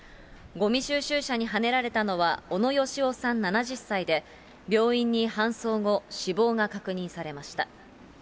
ごみ収集車にはねられたのは、小野佳朗さん７０歳で、病院に搬送後、死亡が確認されました。